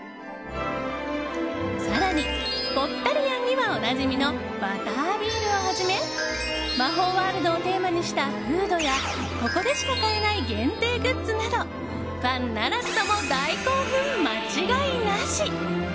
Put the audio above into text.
更にポッタリアンにはおなじみのバタービールをはじめ魔法ワールドをテーマにしたフードやここでしか買えない限定グッズなどファンならずとも大興奮間違いなし！